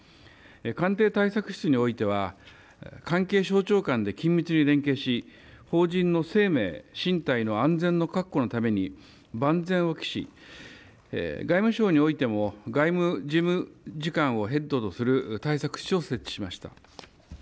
官邸対策室においては関係省庁間で緊密に連携し邦人の生命身体の安全の確保のために万全を期し外務省においても外務事務次官をヘッドとする対策室を設置しました。